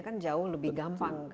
kan jauh lebih gampang